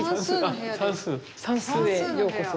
算数へようこそ。